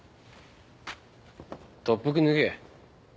特服脱げ。